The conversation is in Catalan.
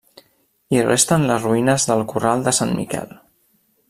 Hi resten les ruïnes del Corral de Sant Miquel.